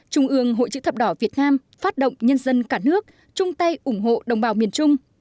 trung ương hội chữ thập đỏ việt nam phát động nhân dân cả nước chung tay ủng hộ đồng bào miền trung